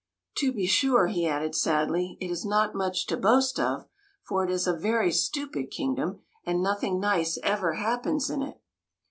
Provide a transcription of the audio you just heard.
To be sure," he added sadly, '' it is not much to boast of, for it is a very stupid kingdom, and nothing nice ever happens in it."